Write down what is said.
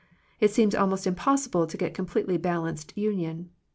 It seems almost impossible to get a com pletely balanced union.